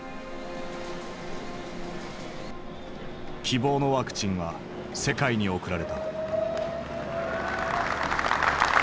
希望のワクチンは世界に送られた。